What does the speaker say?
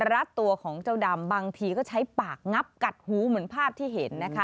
รัดตัวของเจ้าดำบางทีก็ใช้ปากงับกัดหูเหมือนภาพที่เห็นนะคะ